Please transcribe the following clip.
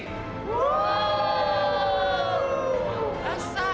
tenang tenang semuanya